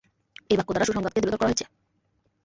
এই বাক্য দ্বারা সুসংবাদকে দৃঢ়তর করা হয়েছে।